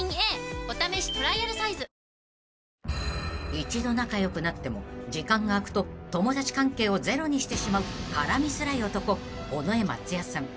［一度仲良くなっても時間が空くと友達関係をゼロにしてしまう絡みづらい男尾上松也さん］